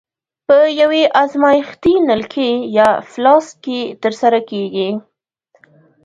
په یوې ازمایښتي نلکې یا فلاسک کې ترسره کیږي.